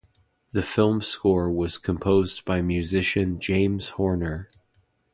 The film score was composed by musician James Horner.